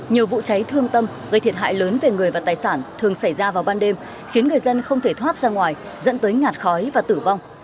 nhiều vụ cháy thương tâm gây thiệt hại lớn về người và tài sản thường xảy ra vào ban đêm khiến người dân không thể thoát ra ngoài dẫn tới ngạt khói và tử vong